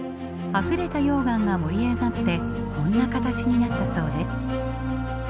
あふれた溶岩が盛り上がってこんな形になったそうです。